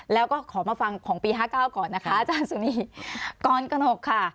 แล้วก็ขอมาฟังของปี๕๙ก่อนนะคะอาจารย์สุนีกรกนกค่ะ